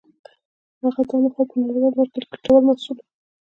دا هغه مهال په نړیوال مارکېت کې ګټور محصول و.